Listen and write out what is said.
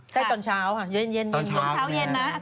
ใกล้ตอนเช้ายินตอนเช้าเย็นนะ